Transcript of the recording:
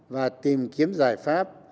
và tìm kiếm giải pháp